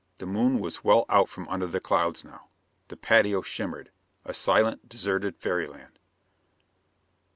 The moon was well out from under the clouds now. The patio shimmered, a silent, deserted fairyland.